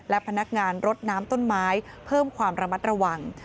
และพนักงานรดน้ำต้นไม้เพิ่มความระมัดระวัง